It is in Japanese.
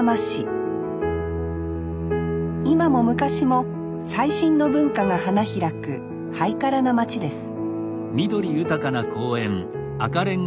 今も昔も最新の文化が花開くハイカラな街です